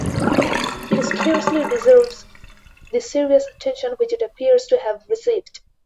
It scarcely deserves the serious attention which it appears to have received.